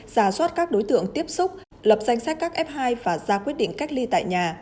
giả soát các đối tượng tiếp xúc lập danh sách các f hai và ra quyết định cách ly tại nhà